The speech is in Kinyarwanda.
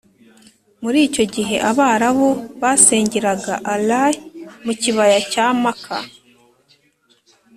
muri icyo gihe, abarabu basengeraga allah mu kibaya cya maka,